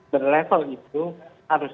berlevel itu harus